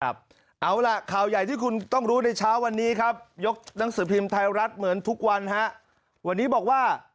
เอาล่ะข่าวใหญ่ที่คุณต้องรู้ในเช้าวันนี้ครับยกหนังสือพิมพ์ไทยรัฐเหมือนทุกวันฮะวันนี้บอกว่า